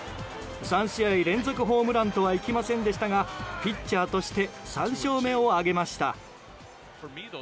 ３試合連続ホームランとはいきませんでしたがピッチャーとして３勝目を挙げました。